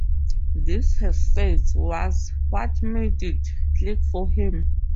This, he says, was what made it "click" for him.